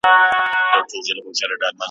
یو کیسې کوي د مړو بل د غم په ټال زنګیږي